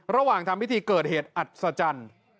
ระหว่างทำพิธีเกิดเหตุอัศจรรย์